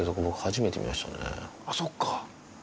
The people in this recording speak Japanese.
あっそっか。